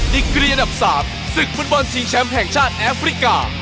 ดีกรีอันดับ๓ศึกฟุตบอลชิงแชมป์แห่งชาติแอฟริกา